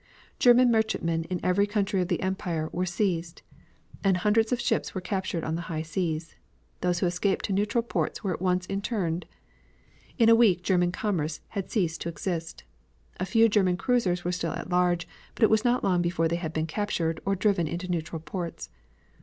German merchantmen in every country of the empire were seized, and hundreds of ships were captured on the high seas. Those who escaped to neutral ports were at once interned. In a week German commerce had ceased to exist. A few German cruisers were still at large but it was not long before they had been captured, or driven into neutral ports.